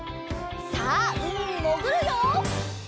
さあうみにもぐるよ！